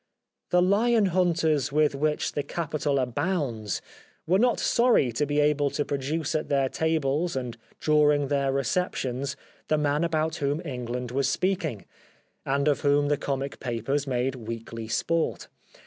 The Hon hunters with which the capital abounds were not sorry to be able to produce at their tables and during their receptions the man about whom England was speaking, and of whom the comic papers made weekly sport.